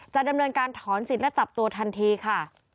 จะดำเนินการถอนสิทธิ์และจับตัวทันทีค่ะ